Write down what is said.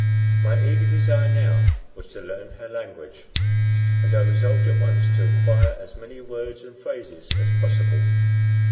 My eager desire now was to learn her language, and I resolved at once to acquire as many words and phrases as possible.